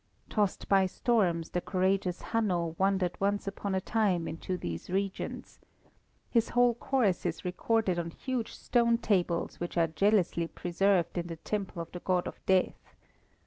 Tossed by storms, the courageous Hanno wandered once upon a time into these regions. His whole course is recorded on huge stone tables which are jealously preserved in the temple of the God of Death.